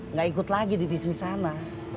nggak ikut lagi di bisnis sana